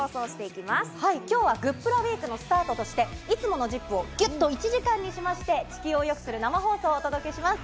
きょうはグップラウィークのスタートとして、いつものＺＩＰ！を、ぎゅっと１時間にしまして、地球をよくする生放送をお届けします。